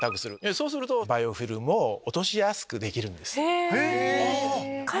そうするとバイオフィルムを落としやすくできるんです。